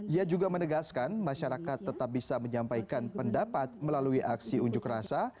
ia juga menegaskan masyarakat tetap bisa menyampaikan pendapat melalui aksi unjuk rasa